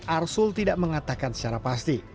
arsul tidak mengatakan secara pasti